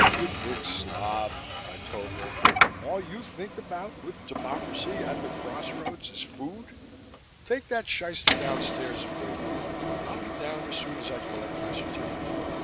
"You big slob," I told her, "all you think about, with democracy at the crossroads, is food. Take that shyster downstairs and wait for me. I'll be down as soon as I collect my certificate.